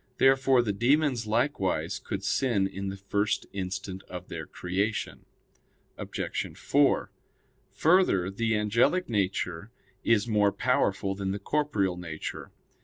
Therefore the demons likewise could sin in the first instant of their creation. Obj. 4: Further, the angelic nature is more powerful than the corporeal nature.